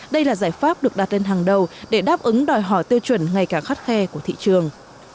đây là giải pháp được đặt lên hàng đầu để đáp ứng đòi hỏi tiêu chuẩn ngày càng khắt khe của thị trường